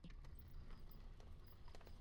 تر مذهب پورته فکر نه شي کولای.